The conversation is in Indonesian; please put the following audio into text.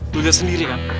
lo lihat sendiri kan